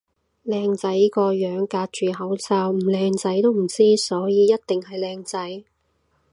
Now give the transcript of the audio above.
靚仔個樣隔住口罩唔靚仔都唔知，所以一定係靚仔